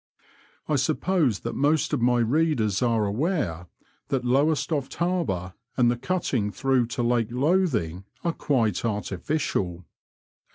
I suppose that most of my readers are aware that Lowestoft Harbour and the cutting through to Lake Lothing are quite artificial.